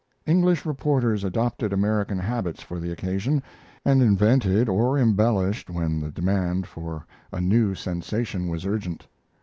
English reporters adopted American habits for the occasion, and invented or embellished when the demand for a new sensation was urgent.